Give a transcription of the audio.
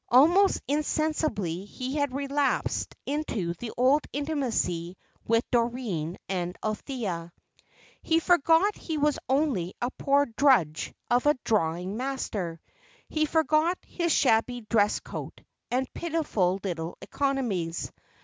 Almost insensibly he had relapsed into the old intimacy with Doreen and Althea. He forgot he was only a poor drudge of a drawing master. He forgot his shabby dress coat, and pitiful little economies.